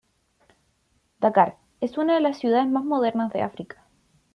Dakar: Es una de las ciudades más modernas de África.